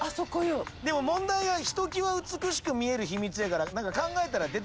でも問題は「ひときわ美しく見えるヒミツ」やから。